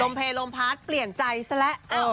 ลมเพลลมพาสเปลี่ยนใจซะแหละ